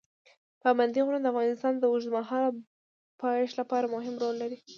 پابندی غرونه د افغانستان د اوږدمهاله پایښت لپاره مهم رول لري.